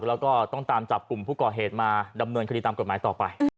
แล้วก็ต้องตามจับกลุ่มผู้ก่อเหตุมาดำเนินคดีตามกฎหมายต่อไป